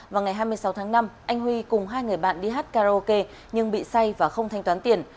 vào ngày hai mươi sáu tháng năm anh huy cùng hai người bạn đi hát karaoke nhưng bị say và không thanh toán tiền